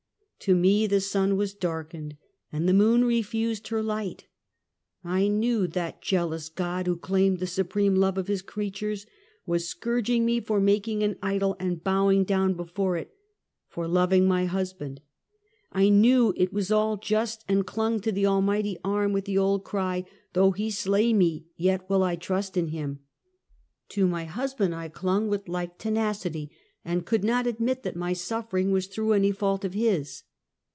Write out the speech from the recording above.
To me the sun was darkened, and the moon refused lier light. I knew " that jealous God " who claimed the supreme love of his creatures, was scourging me for making an idol and bowing down before it — for loving my husband. I knew it was all just and clung to the Almighty arm, with the old cry, "Though he slay me, yet will I trust in him." To my husband I clung with like tenacity, and could not admit that my suffering was through any fault of his.